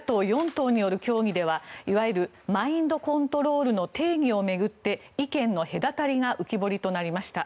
党による協議ではいわゆるマインドコントロールの定義を巡って意見の隔たりが浮き彫りとなりました。